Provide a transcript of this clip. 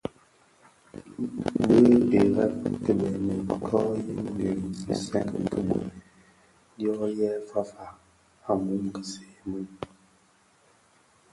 Bi ireb kibeňi kō yin di nsèň khibuen dyō yè fafa a mum kisee mèn.